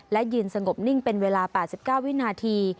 และยืนสงบนิ่งเป็นเวลา๘๙วินาที